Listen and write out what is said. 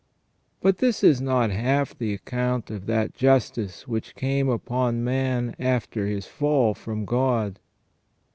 But this is not half the account of that justice which came upon man after his fall from God.